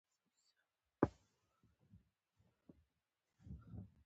هلته وروسته رامنځته شوي کلي ډېر ستر دي